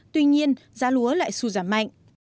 tuy nhiên giá lúa lại sụt giảm mạnh